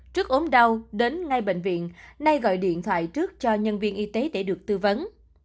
trước ốm đau đến ngay bệnh viện nay gọi điện thoại trước cho nhân viên y tế để được tư vấn